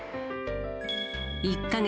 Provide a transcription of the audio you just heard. １か月